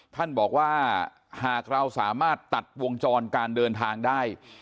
ท่านบอกว่าหากเราสามารถตัดวงจรการเดินทางได้